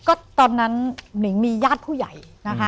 ก็ตอนนั้นหนิงมีญาติผู้ใหญ่นะคะ